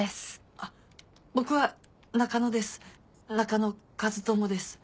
あっ僕は中野です中野和友です。